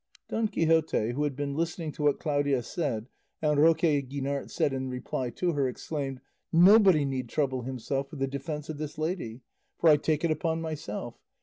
Don Quixote, who had been listening to what Claudia said and Roque Guinart said in reply to her, exclaimed, "Nobody need trouble himself with the defence of this lady, for I take it upon myself.